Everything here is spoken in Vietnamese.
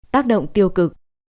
tác động tiêu cực